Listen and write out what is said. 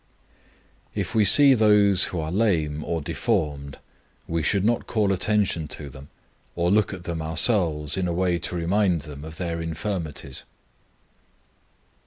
If we see those who are lame or deformed, we should not call attention to them, or look at them ourselves in a way to remind them of their infirmities.